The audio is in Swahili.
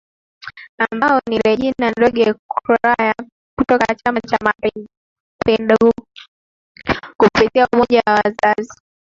ambao ni Rejina Ndege Qwaray kutoka Chama cha mapinduzi kupitia umoja wa wazazi